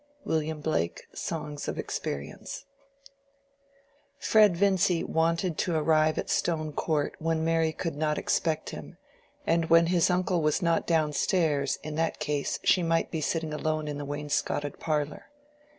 —W. BLAKE: Songs of Experience. Fred Vincy wanted to arrive at Stone Court when Mary could not expect him, and when his uncle was not downstairs: in that case she might be sitting alone in the wainscoted parlor.